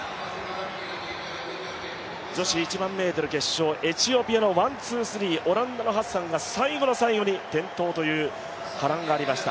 女子１００００ｍ決勝、エチオピアの１、２、３、オランダのハッサンが最後の最後に転倒という波乱がありました。